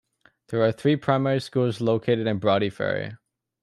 There are three primary schools located in Broughty Ferry.